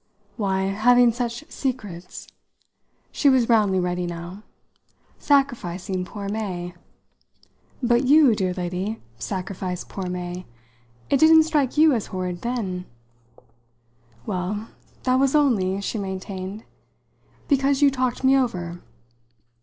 "Why, having such secrets." She was roundly ready now. "Sacrificing poor May." "But you, dear lady, sacrificed poor May! It didn't strike you as horrid then." "Well, that was only," she maintained, "because you talked me over."